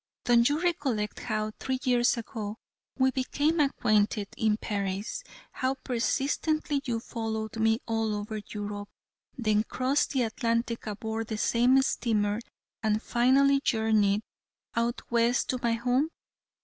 Don't you recollect how, three years ago, we became acquainted in Paris; how persistently you followed me all over Europe, then crossed the Atlantic aboard the same steamer, and finally journeyed out West to my home?